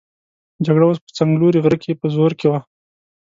جګړه اوس په څنګلوري غره کې په زور کې وه.